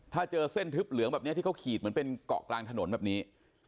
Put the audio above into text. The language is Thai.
ถ้าเจอเส้นทึบเหลืองแบบนี้ที่เขาขีดเหมือนเป็นเกาะกลางถนนแบบนี้